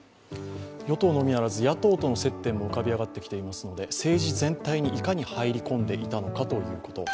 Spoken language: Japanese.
与党のみならず、野党との接点も浮かび上がってきていますので政治全体にいかに入り込んでいたのかということ。